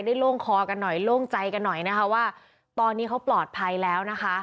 ได้โล่งคอกันหน่อยโล่งใจกันหน่อยว่าตอนนี้เขาปลอดภัยแล้ว